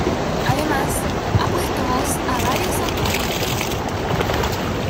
Además ha puesto voz a varios audiolibros.